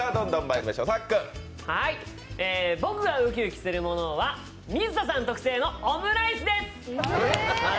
僕がウキウキするものは水田さん特製のオムライスです。